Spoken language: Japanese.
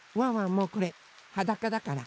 もうこれはだかだから。